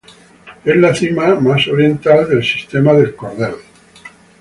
Es la cima más oriental del sistema del Cordel.